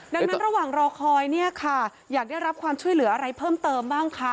ดังนั้นระหว่างรอคอยเนี่ยค่ะอยากได้รับความช่วยเหลืออะไรเพิ่มเติมบ้างคะ